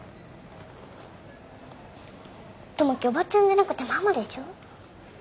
友樹おばちゃんじゃなくてママでしょ。